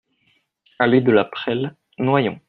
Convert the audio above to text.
Allée de la Prele, Noyon